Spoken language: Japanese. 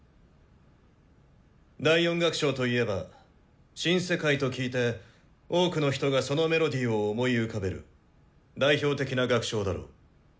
第４楽章といえば「新世界」と聞いて多くの人がそのメロディーを思い浮かべる代表的な楽章だろう。